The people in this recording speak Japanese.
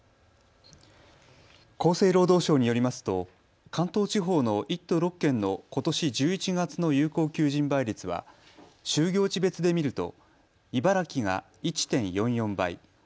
厚生労働省によりますと関東地方の１都６県のことし１１月の有効求人倍率は就業地別で見ると。